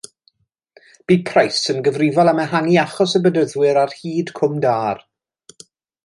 Bu Price yn gyfrifol am ehangu achos y Bedyddwyr ar hyd Cwm Dâr.